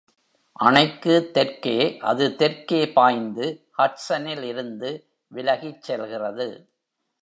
அணைக்கு தெற்கே, அது தெற்கே பாய்ந்து, ஹட்சனில் இருந்து விலகிச் செல்கிறது.